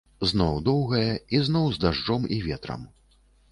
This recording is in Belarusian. Зноў доўгая, і зноў з дажджом і ветрам.